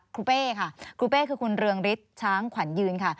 เป้ค่ะครูเป้คือคุณเรืองฤทธิ์ช้างขวัญยืนค่ะ